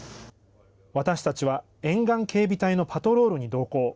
私たちは沿岸警備隊のパトロールに同行。